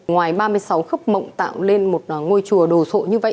ngoài ba mươi sáu khớp mộng tạo lên một ngôi chùa đồ sộ như vậy